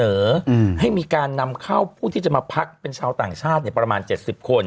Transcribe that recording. อืมให้มีการนำเข้าผู้ที่จะมาพักเป็นชาวต่างชาติเนี่ยประมาณเจ็ดสิบคน